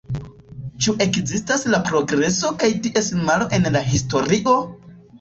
Ĉu ekzistas la progreso kaj ties malo en la historio?